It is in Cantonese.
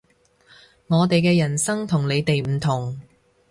我哋嘅人生同你哋唔同